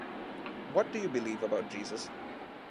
What do you believe about Jesus?